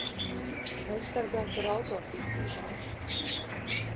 Aizsargāts ar autortiesībām